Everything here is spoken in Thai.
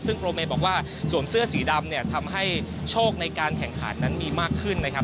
ซึ่งโปรเมย์บอกว่าสวมเสื้อสีดำเนี่ยทำให้โชคในการแข่งขันนั้นมีมากขึ้นนะครับ